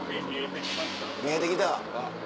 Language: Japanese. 見えて来た。